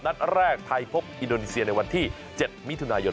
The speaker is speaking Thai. นัดแรกไทยพบอินโดนีเซียในวันที่๗มิถุนายน